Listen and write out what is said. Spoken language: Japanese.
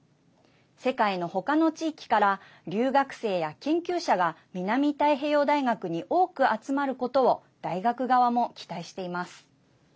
世界の他の地域から留学生や研究者が南太平洋大学に多く集まることを大学側も期待しています。